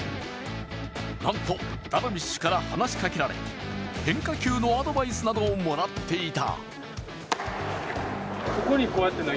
なんとダルビッシュから話しかけられ、変化球のアドバイスなどをもらっていた。